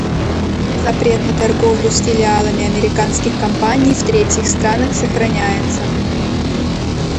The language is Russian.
Запрет на торговлю с филиалами американских компаний в третьих странах сохраняется.